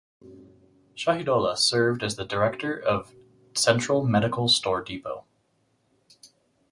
Shahidullah served as the Director of Central Medical Store Depot.